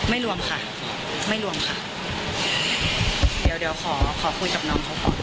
ไม่รวมค่ะไม่รวมค่ะเดี๋ยวขอคุยกับน้องเขาพอ